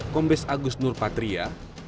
kombes agus nurpatria